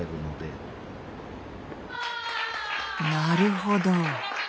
なるほど。